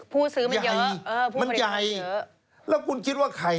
ผู้ซื้อมันเยอะผู้ผลิตมันเยอะมันใหญ่แล้วคุณคิดว่าใคร